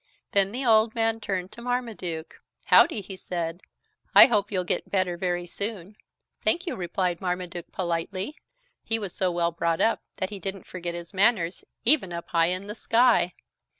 Then the old man turned to Marmaduke. "Howdy," he said, "I hope you'll get better very soon." "Thank you," replied Marmaduke politely. He was so well brought up that he didn't forget his manners, even up high in the sky.